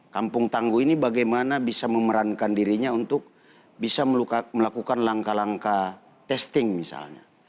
kampung tangguh ini bagaimana bisa memerankan dirinya untuk bisa melakukan langkah langkah testing misalnya